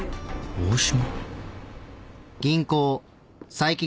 大島？